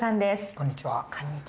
こんにちは。